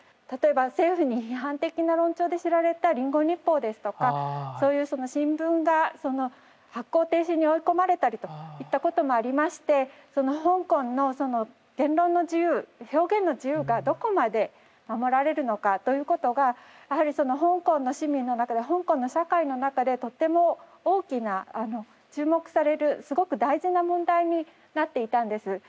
例えば政府に批判的な論調で知られた「リンゴ日報」ですとかそういうその新聞が発行停止に追い込まれたりといったこともありまして香港のその言論の自由表現の自由がどこまで守られるのかということがやはりその香港の市民の中で香港の社会の中でとっても大きな注目されるすごく大事な問題になっていたんです。